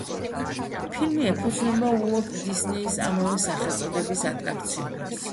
ფილმი ეფუძნება უოლტ დისნეის ამავე სახელწოდების ატრაქციონებს.